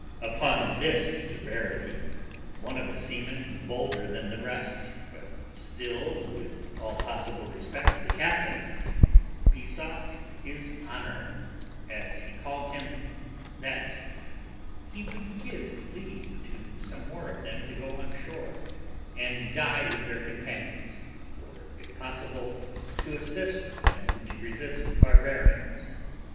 Upon this severity, one of the seamen, bolder than the rest, but still with all possible respect to the captain, besought his honour, as he called him, that he would give leave to some more of them to go on shore, and die with their companions, or, if possible, to assist them to resist the barbarians.